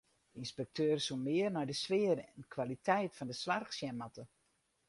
De ynspekteur soe mear nei de sfear en kwaliteit fan de soarch sjen moatte.